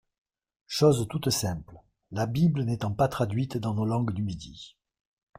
Chose toute simple, la Bible n'étant pas traduite dans nos langues du Midi.